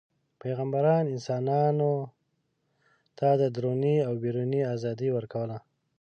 پیغمبران انسانانو ته دروني او بیروني ازادي ورکوله.